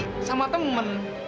kan ini sama temen